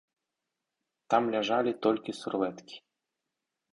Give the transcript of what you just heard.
Там ляжалі толькі сурвэткі.